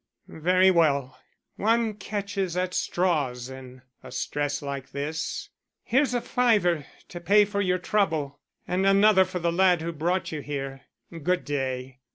"Very well. One catches at straws in a stress like this. Here's a fiver to pay for your trouble, and another for the lad who brought you here. Good day.